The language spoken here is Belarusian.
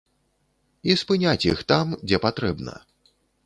І спыняць іх там, дзе патрэбна.